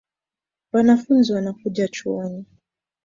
Wanafunzi wanakuja chuoni